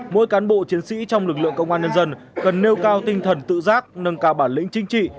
mỗi cán bộ chiến sĩ trong lực lượng công an nhân dân cần nêu cao tinh thần tự giác nâng cao bản lĩnh chính trị